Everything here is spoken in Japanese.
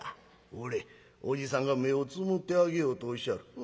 「ほれおじさんが目をつぶってあげようとおっしゃる。